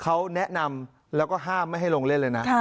เขาแนะนำแล้วก็ห้ามไม่ให้ลงเล่นเลยนะ